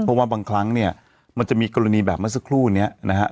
เพราะว่าบางครั้งมันจะมีกรณีแบบมาสักครู่นี้นะครับ